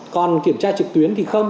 còn kiểm tra trực tuyến thì không